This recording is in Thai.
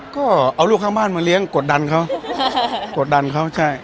ก็เอาลูกข้างบ้านมาเลี้ยงกดดันเขากดดันเขาใช่